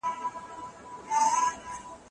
کله به نړیواله ټولنه سوداګریزه لار تایید کړي؟